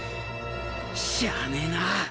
しゃあねえなあ。